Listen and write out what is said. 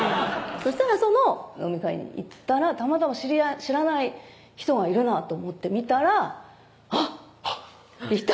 そしたらその飲み会に行ったらたまたま知らない人がいるなと思って見たらあっいた！